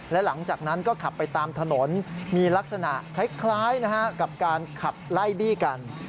และหลังจากนั้นก็ขับไปตามถนนมีลักษณะคล้ายกับการขับไล่บี้กัน